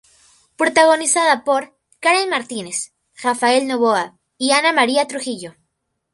Protagonizada por Karen Martínez, Rafael Novoa y Ana María Trujillo.